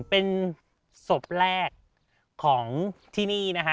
เป็นศพแรกของที่นี่นะฮะ